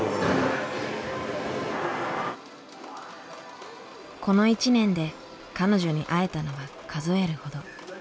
この１年で彼女に会えたのは数えるほど。